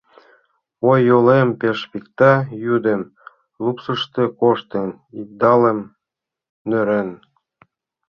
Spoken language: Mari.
Ой, йолем пеш пикта, йӱдым, лупсышто коштын, йыдалем нӧрен.